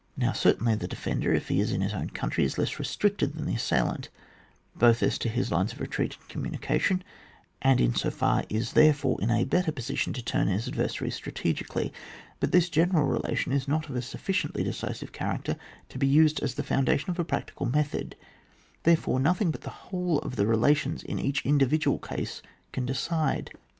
Now certainly the defender, if he is in his own country, is less restricted than the assailant, both as to his lines of retreat and communication, and in so far is therefore in a better position to turn his adversary strategically ; but this general relation is not of a sufficiently decisive character to be used as' the foundation of a practical method ; there fore, nothing but the whole of the rela tions in each individual case can decide.